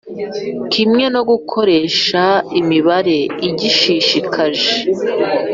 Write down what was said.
Kimwe no gukoresha imibare igishishikaje